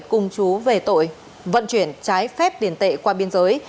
cùng chú về tội vận chuyển trái phép tiền tệ qua biên giới